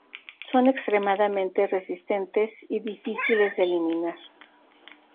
Son extremadamente resistentes y difíciles de eliminar.